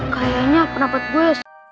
kayaknya pendapat gue